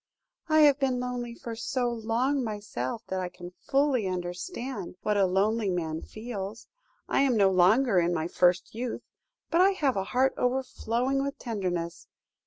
"'I have been lonely for so long myself, that I can fully understand what a lonely man feels. I am no longer in my first youth, but I have a heart overflowing with tenderness.